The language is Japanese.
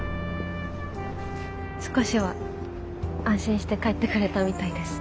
少しは安心して帰ってくれたみたいです。